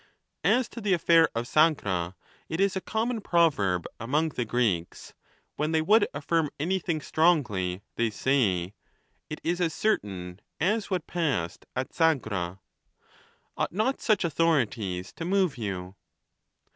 As to the affair of Sagra, it is a common proverb among the Greeks ; when they would affirm anything strongly, they say " It is as certain as what passed at Sagra." Ought not such authorities to move you?